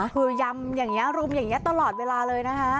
คือยำอย่างนี้รุมอย่างนี้ตลอดเวลาเลยนะคะ